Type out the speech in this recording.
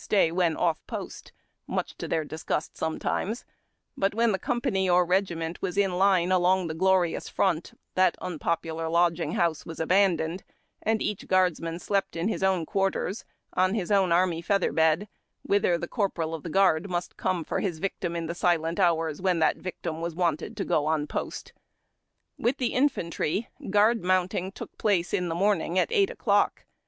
191 stay when off post, much to their disgust sometimes ; but when the company or regiment was in line along the glorious front, that unpopular lodging house was abandoned, and each guardsmen slept in his own quarters, on his own army feather bed, whither the corporal of the guard must come for liis victim in the silent hours when that victim was wanted to go on post. With the infantry, guard mounting took jolace in the morning at eight o'clock.